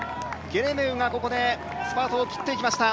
ゲレメウがここでスパートを切っていきました。